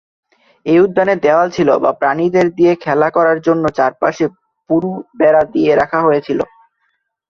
এই উদ্যানে দেয়াল ছিল বা প্রাণীদের দিয়ে খেলা করার জন্য চারপাশে পুরু বেড়া দিয়ে রাখা হয়েছিল।